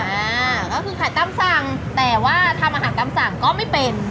อ่าก็คือขายตามสั่งแต่ว่าทำอาหารตามสั่งก็ไม่เป็น